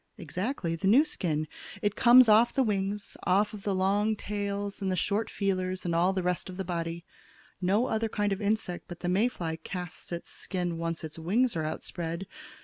"Exactly; the new skin. It comes off of the wings, off of the long tails and the short feelers, and all the rest of the body. No other kind of insect but the May fly casts its skin once its wings are outspread.